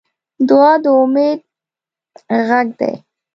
دعا د امید غږ دی.